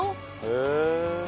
へえ。